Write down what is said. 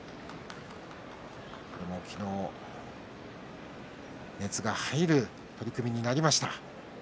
これも昨日熱が入る取組になりました。